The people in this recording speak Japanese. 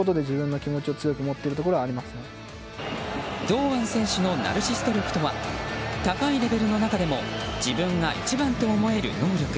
堂安選手のナルシスト力とは高いレベルの中でも自分が一番と思える能力。